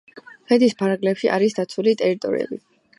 ქედის ფარგლებში არის დაცული ტერიტორიები.